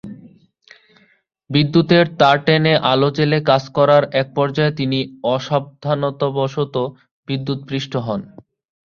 বিদ্যুতের তার টেনে আলো জ্বেলে কাজ করার একপর্যায়ে তিনি অসাবধানতাবশত বিদ্যুৎস্পৃষ্ট হন।